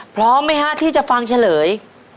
พร้อมไหมฮะที่จะฟังเฉลย